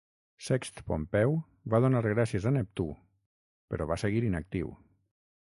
Sext Pompeu va donar gràcies a Neptú, però va seguir inactiu.